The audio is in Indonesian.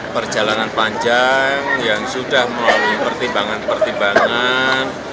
perjalanan panjang yang sudah melalui pertimbangan pertimbangan